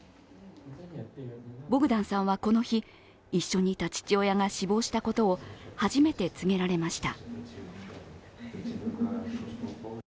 ボグダンさんはこの日、一緒にいた父親が死亡したことを初めて告げられました。